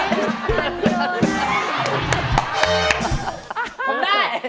ผมได้